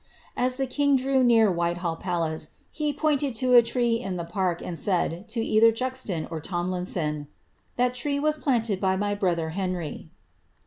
As the king drew near Whitehall palace, he pointed to a tree in th park, and said, to either Juxon or Tomlinson, ^ That tree was plants by my brother Henry."